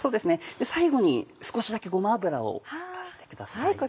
最後に少しだけごま油を足してください。